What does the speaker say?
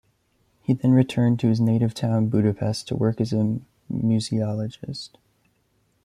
He then returned to his native town Budapest to work as a museologist.